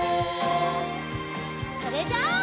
それじゃあ。